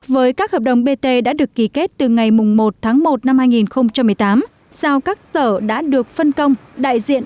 với các hợp đồng bt đã được ký kết từ ngày một một hai nghìn một mươi tám sau các sở đã được phân công đại diện